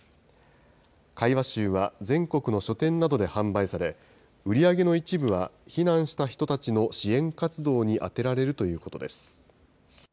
会話集は全国の書店などで販売され、売り上げの一部は避難した人たちの支援活動に充てられるということです。